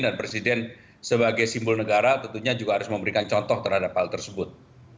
dan presiden sebagai simbol negara tentunya juga harus memberikan contoh terhadap hal tersebut